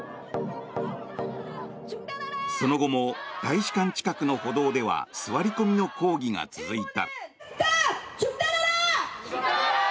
その後も大使館近くの歩道では座り込みの抗議が続いた。